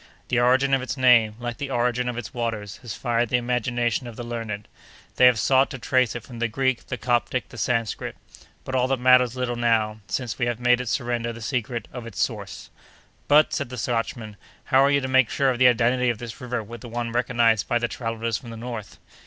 "The origin of its name, like the origin of its waters, has fired the imagination of the learned; they have sought to trace it from the Greek, the Coptic, the Sanscrit; but all that matters little now, since we have made it surrender the secret of its source!" "But," said the Scotchman, "how are you to make sure of the identity of this river with the one recognized by the travellers from the north?"